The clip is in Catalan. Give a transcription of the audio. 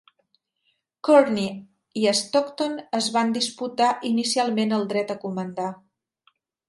Kearny i Stockton es van disputar inicialment el dret a comandar.